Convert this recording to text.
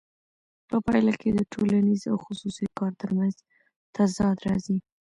په پایله کې د ټولنیز او خصوصي کار ترمنځ تضاد راځي